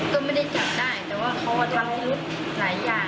ก็ไม่ได้จับได้แต่ว่าเขาทำหลายอย่าง